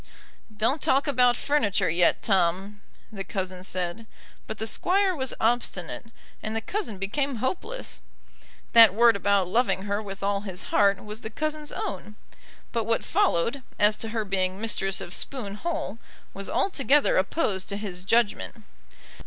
"Don't talk about furniture yet, Tom," the cousin said; but the Squire was obstinate, and the cousin became hopeless. That word about loving her with all his heart was the cousin's own, but what followed, as to her being mistress of Spoon Hall, was altogether opposed to his judgment.